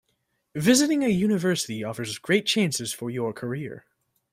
Visiting a university offers great chances for your career.